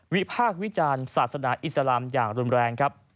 พากษ์วิจารณ์ศาสนาอิสลามอย่างรุนแรงครับ